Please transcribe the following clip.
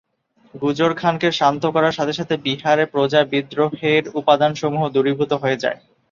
গুজর খানকে শান্ত করার সাথে সাথে বিহারে প্রজাবিদ্রোহের উপাদানসমূহ দূরীভূত হয়ে যায়।